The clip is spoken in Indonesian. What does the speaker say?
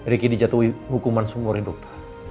riki dijatuhi hukuman seumur hidup